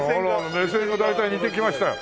目線が大体似てきました。